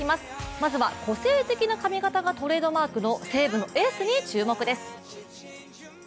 まずは個性的な髪形がトレードマークの西武のエースに注目です。